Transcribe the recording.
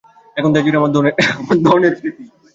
এখন দেশ জুড়ে আমার ধনের খ্যাতি।